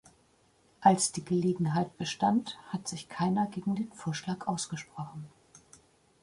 Als die Gelegenheit bestand, hat sich keiner gegen den Vorschlag ausgesprochen.